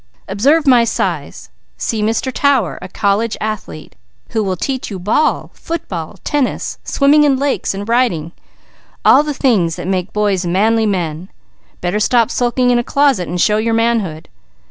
"Observe my size. See Mr. Tower, a college athlete, who will teach you ball, football, tennis, swimming in lakes and riding, all the things that make boys manly men; better stop sulking in a closet and show your manhood.